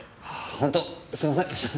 ホントすいませんでした。